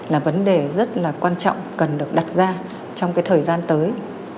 là vấn đề rất là quan trọng cần được đặt ra trong cái thời gian tới